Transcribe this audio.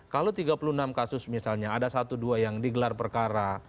kalau tiga puluh enam kasus misalnya ada satu dua yang digelar perkara